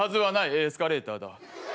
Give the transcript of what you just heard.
エスカレーターだ。